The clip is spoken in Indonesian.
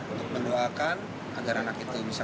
untuk mendoakan agar anak itu bisa kembali ke rumah